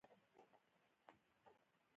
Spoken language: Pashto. افغانستان د چرګانو له پلوه متنوع هېواد دی.